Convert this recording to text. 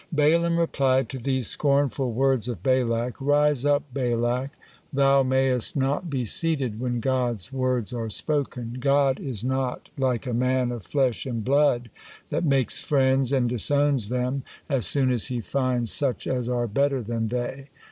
Balaam replied to these scornful words of Balak: "Rise up, Balak. Thou mayest not be seated when God's words are spoken. God is not like a man of flesh and blood, that makes friends and disowns them, as soon as he finds such as are better than they.